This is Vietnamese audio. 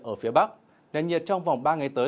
ở phía bắc nền nhiệt trong vòng ba ngày tới